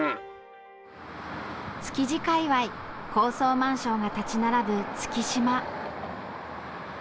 築地界わい高層マンションが立ち並ぶ月島。